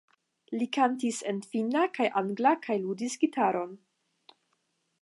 Li kantis en finna kaj angla kaj ludis gitaron.